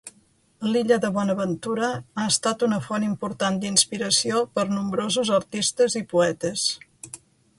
L'illa de Bonaventura ha estat una font important d'inspiració per a nombrosos artistes i poetes.